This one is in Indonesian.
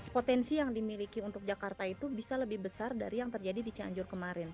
potensi yang dimiliki untuk jakarta itu bisa lebih besar dari yang terjadi di cianjur kemarin